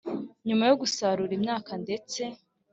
nyuma yo gusarura imyaka ndetse